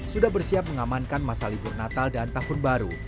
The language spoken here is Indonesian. sudah bersiap mengamankan masa libur natal dan tahun baru